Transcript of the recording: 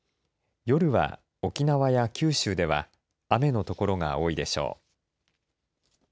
夜は沖縄や九州では雨の所が多いでしょう。